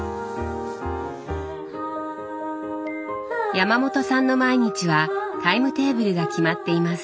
山本さんの毎日はタイムテーブルが決まっています。